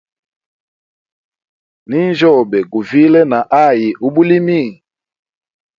Ninjyoge guvile na hayi ubulimi.